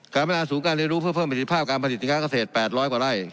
การแม่งงานสูงการเรียนรู้เพื่อเพิ่มประสิทธิภาพการประสิทธิการเกษตร๘๐๐กว่าไร่